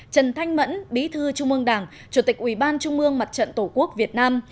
trần thanh mẫn bí thư trung ương đảng chủ tịch ủy ban trung ương mặt trận tổ quốc việt nam